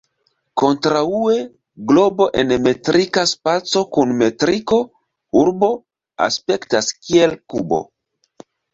Kontraŭe, globo en metrika spaco kun metriko "urbo" aspektas kiel kubo.